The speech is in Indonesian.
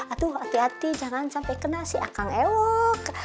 aduh hati hati jangan sampai kena si akang ewok